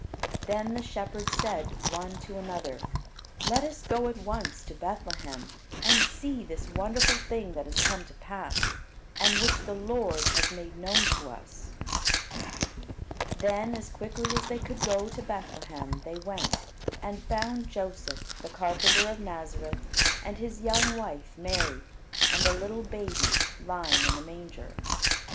Then the shepherds said one to another: "Let us go at once to Bethlehem, and see this wonderful thing that has come to pass, and which the Lord has made known to us." [Illustration: The baby in the manger] Then as quickly as they could go to Bethlehem, they went, and found Joseph, the carpenter of Nazareth, and his young wife Mary, and the little baby lying in the manger.